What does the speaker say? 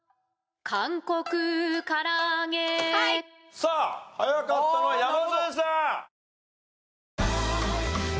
さあ早かったのは山添さん。